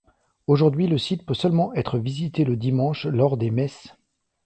Aujourd'hui, le site peut seulement être visité le dimanche lors des messes.